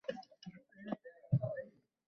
বিজয় আসকি-ইউনিকোড ভিত্তিক Bangla input software.